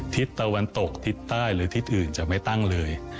ทิศตะวันตกทิศใต้หรือทิศอื่นจะไม่ตั้งเลย